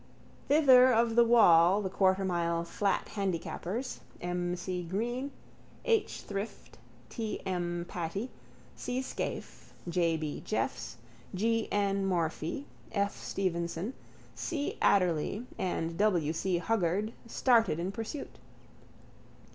Thither of the wall the quartermile flat handicappers, M. C. Green, H. Shrift, T. M. Patey, C. Scaife, J. B. Jeffs, G. N. Morphy, F. Stevenson, C. Adderly and W. C. Huggard, started in pursuit.